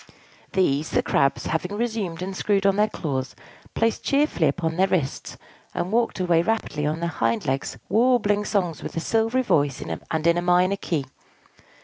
These the Crabs, having resumed and screwed on their claws, placed cheerfully upon their wrists, and walked away rapidly on their hind legs, warbling songs with a silvery voice and in a minor key.